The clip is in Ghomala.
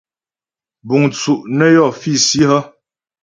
Búŋ tsú' nə́ yɔ́ físi hə́ ?